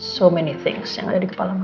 so many things yang ada di kepala mama